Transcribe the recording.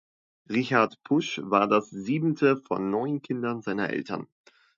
Richard Pusch war das siebente von neun Kindern seiner Eltern.